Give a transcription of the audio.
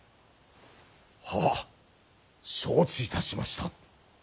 ははっ承知いたしました。